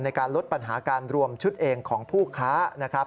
ในการลดปัญหาการรวมชุดเองของผู้ค้านะครับ